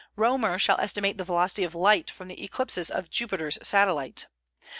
Römer shall estimate the velocity of light from the eclipses of Jupiter's satellites.